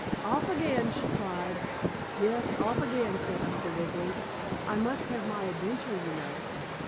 "Off again!" she cried. "Yes, off again," said Uncle Wiggily. "I must have my adventure, you know."